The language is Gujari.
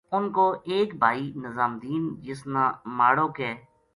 اُنھ کو ایک بھائی نظام دین جس نا ماڑو ک